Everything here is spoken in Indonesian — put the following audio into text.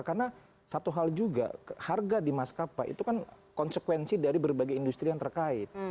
karena satu hal juga harga di maskapai itu kan konsekuensi dari berbagai industri yang terkait